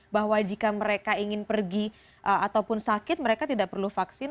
bahwa jika mereka ingin pergi ataupun sakit mereka tidak perlu vaksin